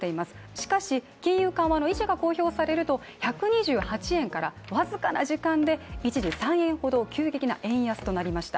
しかし金融緩和の維持が公表されると、１２８円から僅かな時間で一時３円ほど急激な円安となりました。